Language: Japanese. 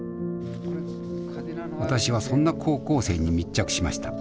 私はそんな高校生に密着しました。